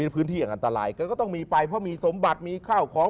พื้นที่อย่างอันตรายก็ต้องมีไปเพราะมีสมบัติมีข้าวของ